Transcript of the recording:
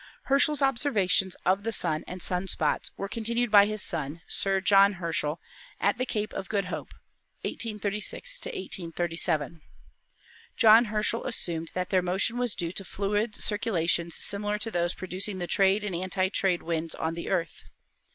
Herschel's observations of the Sun and sun spots were continued by his son, Sir John Herschel, at the Cape of Good Hope (1836 1837). John Herschel assumed that their motion was due to fluid circulations similar to those producing the trade and anti trade winds on the Earth.